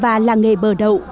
và làng nghề bờ đậu